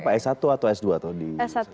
jadi itu apa s satu atau s dua